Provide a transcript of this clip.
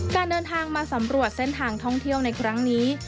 การเดินทางมาสำรวจเส้นทางท่องเที่ยวในครั้งนี้